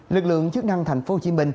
lực lượng chức năng tp hcm